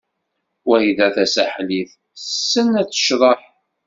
Wrida Tasaḥlit tessen ad tecḍeḥ?